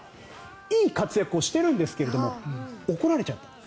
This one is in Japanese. いい活躍をしているんですが怒られちゃった。